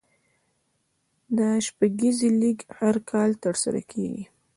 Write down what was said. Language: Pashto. د شپږیزې لیګ هر کال ترسره کیږي.